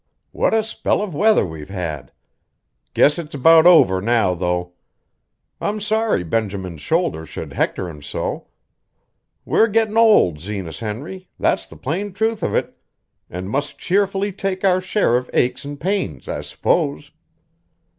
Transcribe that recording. "What a spell of weather we've had! I guess it's about over now, though. I'm sorry Benjamin's shoulders should hector him so. We're gettin' old, Zenas Henry, that's the plain truth of it, an' must cheerfully take our share of aches an' pains, I s'pose.